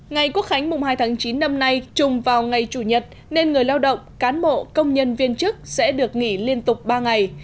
ngày quốc khánh mùng hai tháng chín năm nay trùng vào ngày chủ nhật nên người lao động cán bộ công nhân viên chức sẽ được nghỉ liên tục ba ngày